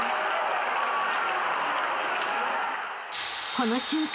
［この瞬間］